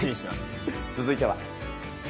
続いては。